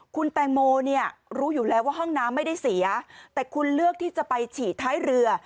คุณแตงโมเนี่ยรู้อยู่แล้วว่าห้องน้ำไม่ได้เสียแต่คุณเลือกที่จะไปฉี่ท้ายเรือ